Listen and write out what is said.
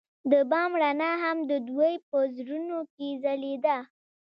د بام رڼا هم د دوی په زړونو کې ځلېده.